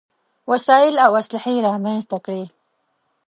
وسايل او اسلحې رامنځته کړې.